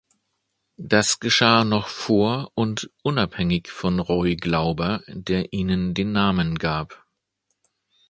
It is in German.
Das geschah noch vor und unabhängig von Roy Glauber, der ihnen den Namen gab.